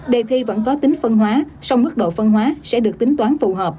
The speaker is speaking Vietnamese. đề thi vẫn có tính phân hóa song mức độ phân hóa sẽ được tính toán phù hợp